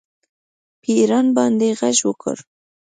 په ایران باندې غږ وکړ